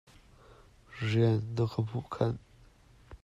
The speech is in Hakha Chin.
Rian na ka hmuh khanh.